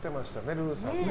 ルーさんね。